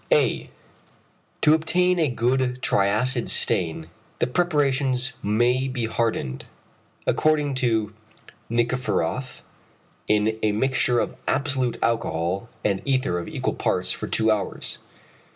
a. To obtain a good triacid stain, the preparations may be hardened, according to Nikiforoff, in a mixture of absolute alcohol and ether of equal parts, for two hours.